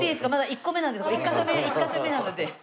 １カ所目１カ所目なので。